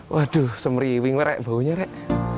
waduh semeriwing merek baunya rek